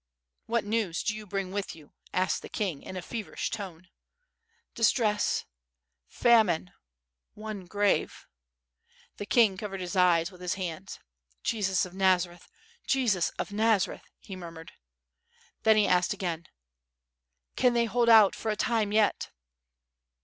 "What news do you bring with you?" asked the king, in a feverish tone. "I)i.9tress ... famine .... one grave." The king covered his eyes with his hands. "Jesus of Xazareth! Jesus of Nazareth!" he murmured. Then he asked a<::ain: ('an they hold out for a time yet?"